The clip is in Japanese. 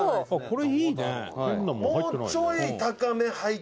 これいいね。